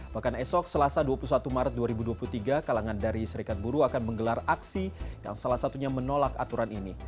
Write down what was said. bahkan esok selasa dua puluh satu maret dua ribu dua puluh tiga kalangan dari serikat buruh akan menggelar aksi yang salah satunya menolak aturan ini